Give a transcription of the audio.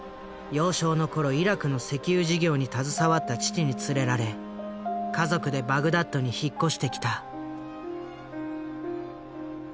幼少の頃イラクの石油事業に携わった父に連れられ家族でバグダッドに引っ越してきた。